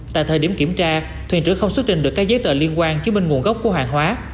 tại thời điểm kiểm tra thuyền trưởng không xuất trình được các giấy tờ liên quan chứng minh nguồn gốc của hàng hóa